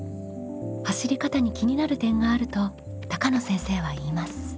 走り方に気になる点があると高野先生は言います。